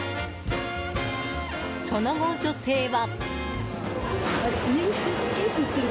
その後、女性は。